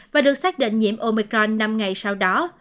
và được xác định nhiễm omicron năm ngày sau đó